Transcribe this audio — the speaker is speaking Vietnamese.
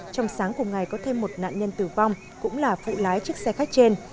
trong sáng cùng ngày có thêm một nạn nhân tử vong cũng là phụ lái chiếc xe khách trên